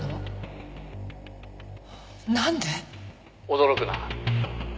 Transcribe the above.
「驚くな。